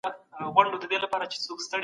د چای تجارت کله او څنګه سیمې ته ننوت؟